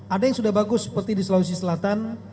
ada yang sudah bagus seperti di sulawesi selatan